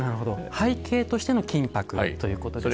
背景としての金箔ということですね。